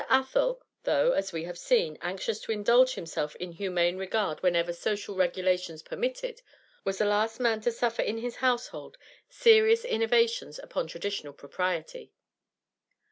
Athel, though, as we have seen, anxious to indulge himself in humane regard whenever social regulations permitted, was the last man to suffer in his household serious innovations upon traditional propriety.